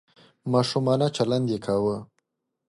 ماشومانه چلند یې کاوه .